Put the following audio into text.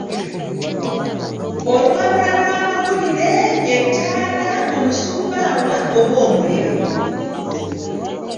"Olupapula lw’amawulire, ettaala, omusubbaawa oba omuliro?"